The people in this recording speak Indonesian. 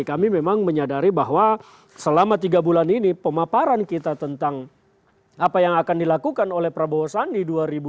kami memang menyadari bahwa selama tiga bulan ini pemaparan kita tentang apa yang akan dilakukan oleh prabowo sandi dua ribu sembilan belas dua ribu dua puluh empat nanti belum optimal